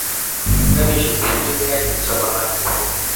bikabije ku buryo byahindutse amahano.